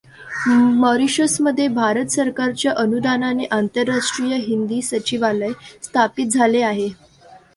मॉरिशसमध्ये भारत सरकारच्या अनुदानाने आंतरराष्ट्रीय हिंदी सचिवालय स्थापित झाले आहे.